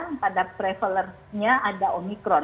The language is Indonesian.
nah prevalence nya ada omikron